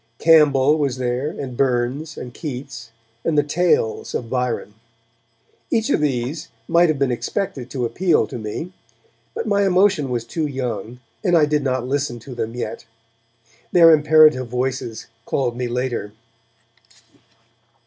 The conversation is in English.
Campbell was there, and Burns, and Keats, and the 'Tales' of Byron. Each of these might have been expected to appeal to me; but my emotion was too young, and I did not listen to them yet. Their imperative voices called me later.